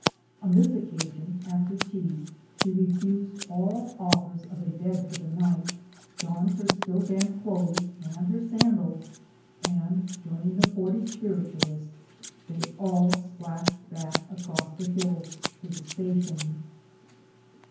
On this occasion, after tea, she refused all offers of a bed for the night, donned her still damp clothes and her sandals, and joining the forty Spiritualists, they all splashed back across the hills to the station.